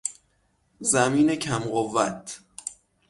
زمین کم قوت